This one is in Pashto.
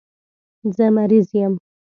زه مریض یم